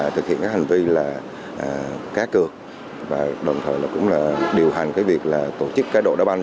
thực hiện hành vi cá cược đồng thời cũng điều hành việc tổ chức cá độ đá băng